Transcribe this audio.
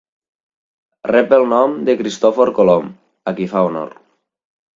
Rep el nom de Cristòfor Colom, a qui fa honor.